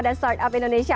dan startup indonesia